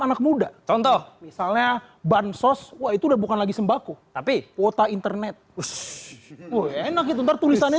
anak muda contoh misalnya bansos wah itu udah bukan lagi sembako tapi kuota internet enak itu ntar tulisannya